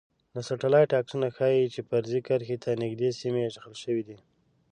د سټلایټ عکسونه ښايی چې فرضي کرښې ته نږدې سیمې اشغال شوي دي